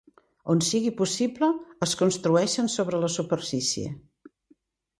On sigui possible, es construïxen sobre la superfície.